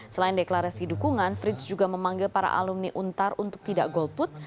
selain deklarasi dukungan frits juga memanggil para alumni untar untuk tidak golput